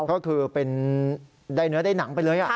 ก็คือเป็นได้เนื้อได้หนังไปเลย